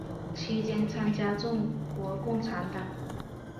期间参加中国共产党。